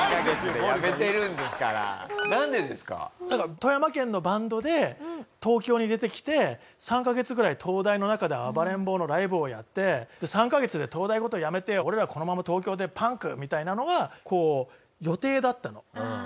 富山県のバンドで東京に出てきて３カ月ぐらい東大の中で暴れん坊のライブをやって３カ月で東大ごと辞めて俺らはこのまま東京でパンク！みたいなのがあっ予定だった。